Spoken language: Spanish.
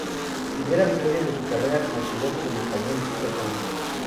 Primera victoria de su carrera como piloto del español Sito Pons.